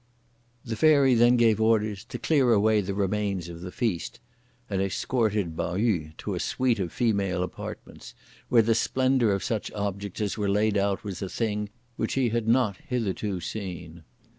The Fairy then gave orders to clear away the remains of the feast, and escorted Pao yü to a suite of female apartments, where the splendour of such objects as were laid out was a thing which he had not hitherto seen.